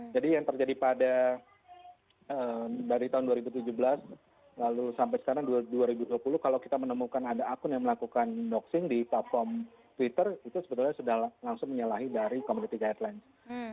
jadi yang terjadi pada dari tahun dua ribu tujuh belas lalu sampai sekarang dua ribu dua puluh kalau kita menemukan ada akun yang melakukan doxing di platform twitter itu sebenarnya sudah langsung menyalahi dari community guidelines